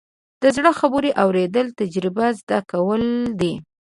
د زړو خبرو اورېدل، تجربه زده کول دي.